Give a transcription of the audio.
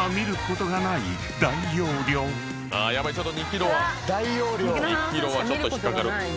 ２ｋｇはちょっと引っ掛かる。